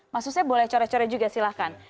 mas usef boleh core core juga silahkan